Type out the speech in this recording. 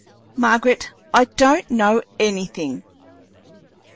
Margaret, I don't know anything."